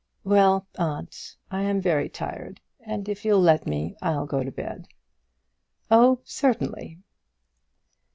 "Well, aunt, I am very tired, and if you'll let me, I'll go to bed." "Oh, certainly."